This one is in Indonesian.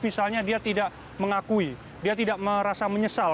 misalnya dia tidak mengakui dia tidak merasa menyesal